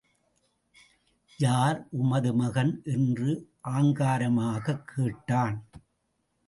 யார் உமது மகன்? என்று ஆங்காரமாகக் கேட்டான்.